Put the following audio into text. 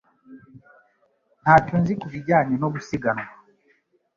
Ntacyo nzi ku bijyanye no gusiganwa